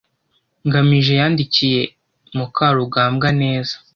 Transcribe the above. ngamije yandikiye mukarugambwa neza